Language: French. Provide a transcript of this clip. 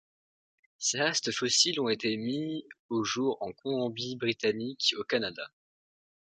Ses restes fossiles ont été mis au jour en Colombie-Britannique, au Canada.